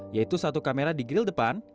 yaitu satu kamera di grill depan